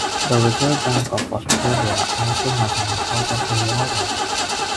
The Reserve Bank of Australia also has an important involvement.